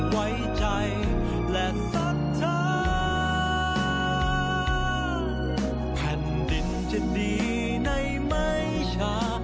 ไว้ใจและทรัพย์แผ่นดินจะดีในไม่ช้า